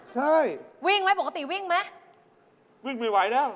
ใช่วิ่งไหมปกติวิ่งไหมวิ่งไม่ไหวแล้ว